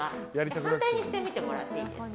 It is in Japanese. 反対にしてみてもらっていいですか。